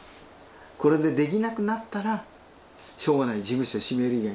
これでできなくなったらしょうがない事務所閉める以外ないんだけど。